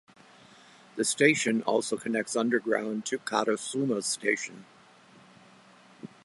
The station also connects underground to Karasuma Station.